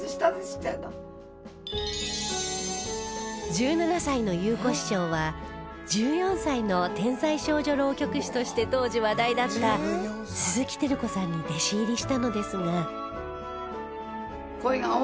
１７歳の祐子師匠は１４歳の天才少女浪曲師として当時話題だった鈴木照子さんに弟子入りしたのですが